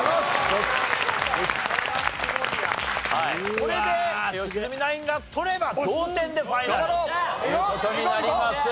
これで良純ナインが取れば同点でファイナルという事になります。